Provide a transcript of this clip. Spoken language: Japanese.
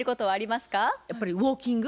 やっぱりウォーキング。